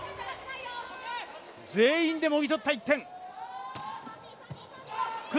全員でもぎ取った１点。